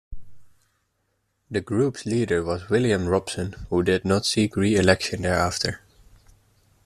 The group's leader was William Robson, who did not seek re-election thereafter.